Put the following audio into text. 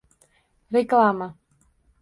Reklama